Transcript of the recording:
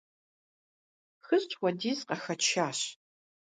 ХищӀ хуэдиз къахэтшащ.